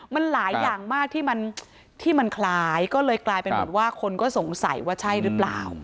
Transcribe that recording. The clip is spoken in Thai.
มันหลายอย่างมากที่มันคล้ายก็เลยกลายเป็นเหมือนว่าคนก็สงสัยว่าใช่หรือเปล่า